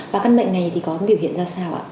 và căn bệnh này thì có biểu hiện ra sao ạ